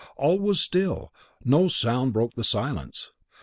All was still, no sound broke the silence.